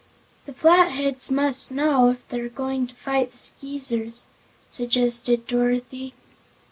"The Flatheads must know, if they're going to fight the Skeezers," suggested Dorothy.